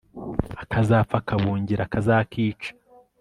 akazapfa kabungira akazakica